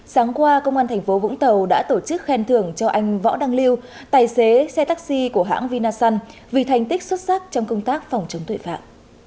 sáng qua công an thành phố vũng tàu đã tổ chức khen thưởng cho anh võ đăng lưu tài xế xe taxi của hãng vinasun vì thành tích xuất sắc trong công tác phòng chống tội phạm